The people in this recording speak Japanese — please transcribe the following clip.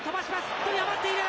１人余っている！